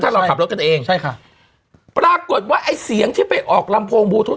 ถ้าเราขับรถกันเองใช่ค่ะปรากฏว่าไอ้เสียงที่ไปออกลำโพงบูธุ